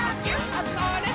あ、それっ！